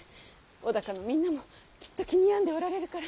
尾高のみんなもきっと気に病んでおられるから。